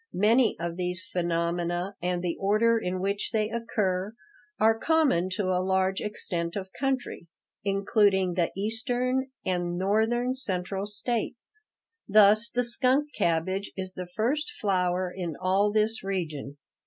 Many of these phenomena and the order in which they occur are common to a large extent of country, including the eastern and northern central states. Thus, the skunk cabbage is the first flower in all this region.